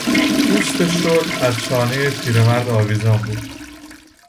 پوست شل از چانهی پیر مرد آویزان بود.